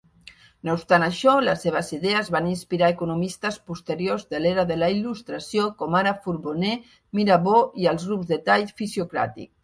No obstant això, les seves idees van inspirar economistes posteriors de l"era de la il·lustració, com ara Forbonnais, Mirabeau i els grups de tall fisiocràtic.